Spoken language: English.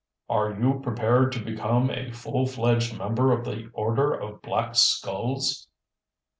"Are you prepared to become a full fledged member of the Order of Black Skulls."